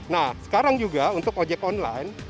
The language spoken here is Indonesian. nah sekarang juga untuk ojek online